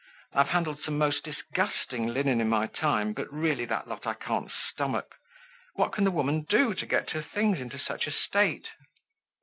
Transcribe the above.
I've handled some most disgusting linen in my time; but really, that lot I can't stomach. What can the woman do to get her things into such a state?"